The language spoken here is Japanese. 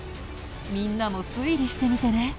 みんなも推理してみてね。